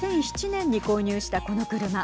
２００７年に購入したこの車。